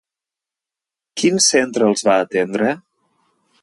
Quin centre els va atendre?